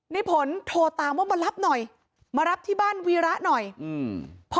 ในผลโทรตามว่ามารับหน่อยมารับที่บ้านวีระหน่อยอืม